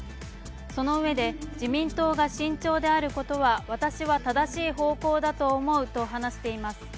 そのうえで自民党が慎重であることは私は正しい方向だと思うと話しています。